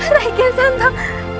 rai kian santang